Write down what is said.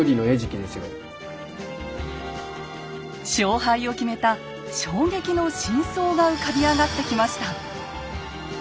勝敗を決めた衝撃の真相が浮かび上がってきました。